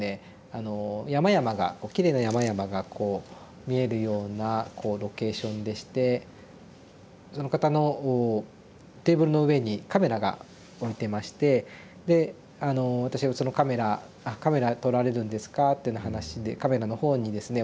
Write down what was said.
あの山々がきれいな山々がこう見えるようなこうロケーションでしてその方のテーブルの上にカメラが置いてましてで私がそのカメラ「あカメラ撮られるんですか」ってな話でカメラの方にですね